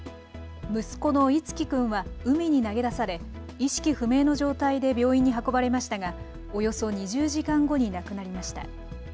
息子の慈樹君は海に投げ出され意識不明の状態で病院に運ばれましたがおよそ２０時間後に亡くなりました。